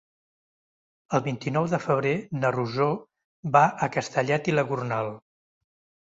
El vint-i-nou de febrer na Rosó va a Castellet i la Gornal.